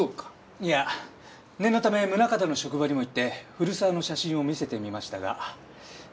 いや念のため宗形の職場にも行って古沢の写真を見せてみましたが何も出ませんね。